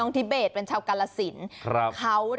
นี่คือเทคนิคการขาย